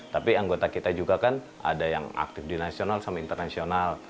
tapi anggota kita juga kan ada yang aktif di nasional sama internasional